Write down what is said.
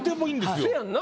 せやんな。